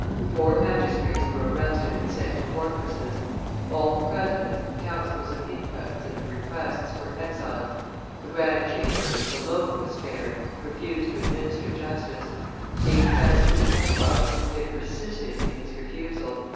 Four magistrates were arrested and sent to fortresses; all the presidents, councillors of inquests and of requests, were exiled; the grand chamber, which alone was spared, refused to administer justice. Being transferred to Pontoise, it persisted in its refusal.